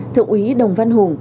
thượng úy đồng văn hùng